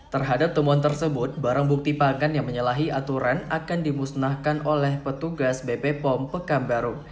terhadap temuan tersebut barang bukti pangan yang menyalahi aturan akan dimusnahkan oleh petugas bp pom pekanbaru